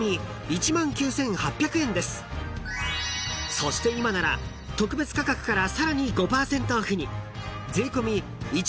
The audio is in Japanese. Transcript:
［そして今なら特別価格からさらに５％オフに］